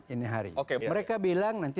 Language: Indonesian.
ini hari mereka bilang nanti